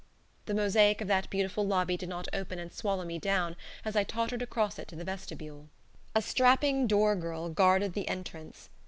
The mosaic of that beautiful lobby did not open and swallow me down as I tottered across it to the vestibule. A strapping door girl guarded the entrance.